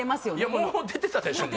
もう出てたでしょ